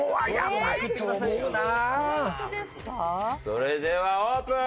それではオープン！